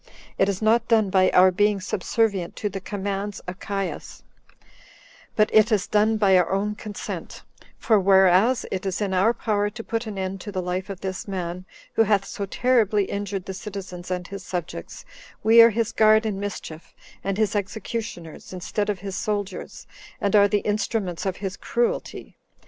It is not done by our being subservient to the commands of Caius, but it is done by our own consent; for whereas it is in our power to put an end to the life of this man, who hath so terribly injured the citizens and his subjects, we are his guard in mischief, and his executioners instead of his soldiers, and are the instruments of his cruelty.